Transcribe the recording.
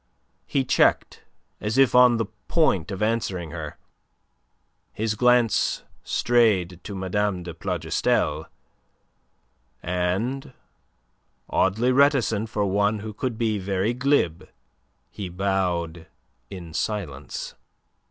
He checked as if on the point of answering her. His glance strayed to Mme. de Plougastel, and, oddly reticent for one who could be very glib, he bowed in silence.